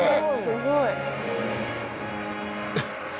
すごい！